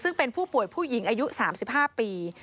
ซึ่งเป็นผู้ป่วยผู้หญิงอายุ๓๕ปี